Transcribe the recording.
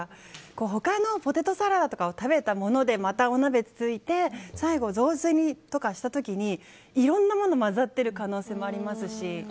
他のポテトサラダとかを食べたものでまたお鍋をつついて最後、雑炊とかにした時いろんなものが混ざってる可能性ありますし。